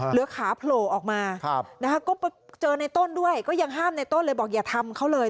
เหลือขาโผล่ออกมานะคะก็เจอในต้นด้วยก็ยังห้ามในต้นเลยบอกอย่าทำเขาเลย